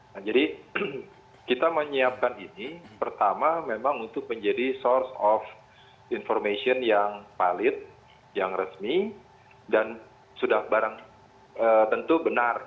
nah jadi kita menyiapkan ini pertama memang untuk menjadi source of information yang valid yang resmi dan sudah barang tentu benar